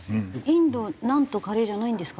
インドナンとカレーじゃないんですか？